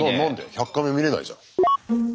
「１００カメ」見れないじゃん。